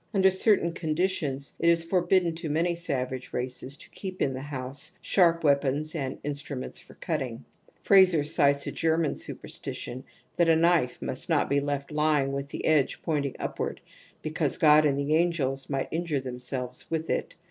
Under certain conditions it is forbid den to many savage races to keep in the house sharp weapons and instruments for cutting *2. Frazer sites a German superstition that a knife must not be left lying with the edge pointing up ward because God and the angels might injure themselves with it.